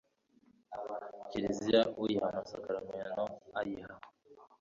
kiliziya, uyiha amasakramentu, ayiha